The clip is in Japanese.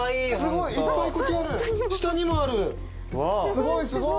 すごいすごい。